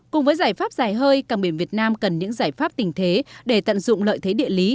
cùng với giải pháp dài hơi càng biển việt nam cần những giải pháp tình thế để tận dụng lợi thế địa lý